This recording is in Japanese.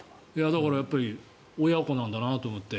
だから親子なんだなと思って。